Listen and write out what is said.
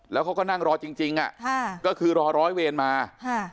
แล้วเขาก็นั่งรอจริงจริงอ่ะค่ะก็คือรอร้อยเวรมาค่ะ